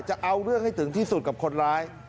จะเอาเรื่องให้ถึงที่สุดกับคนร้าย